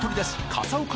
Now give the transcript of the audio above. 笠岡